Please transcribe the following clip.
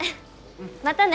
またね。